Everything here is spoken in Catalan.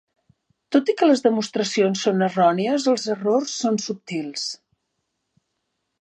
Tot i que les demostracions són errònies, els errors són subtils.